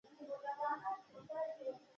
هر زورور د کمزوري کېدو امکان لري